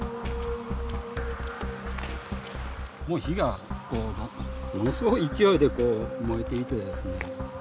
もう火がものすごい勢いで燃えていてですね